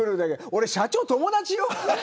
俺、社長友達よ。